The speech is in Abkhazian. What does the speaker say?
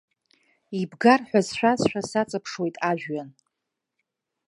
Ибгар ҳәа сшәазшәа саҵаԥшуеит ажәәҩан.